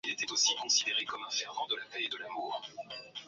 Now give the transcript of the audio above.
Asilimia tano hadi asilimia tatu, kutoka utabiri wa awali wa nne.